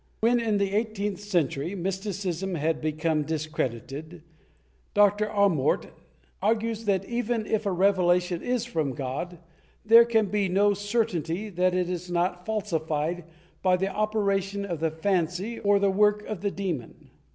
^ When, in the eighteenth century, mysticism had become discredited. Dr. Amort argues that, even if a revelation is from God, there can be no certainty that it is not falsified by the operation of the fancy or the work of the demon."